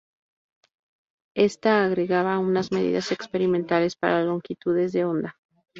Ésta agregaba unas medidas experimentales para longitudes de onda.